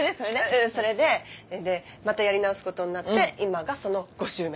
うんそれでまたやり直すことになって今がその５周目。